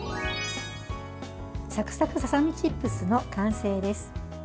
サクサクささみチップスの完成です。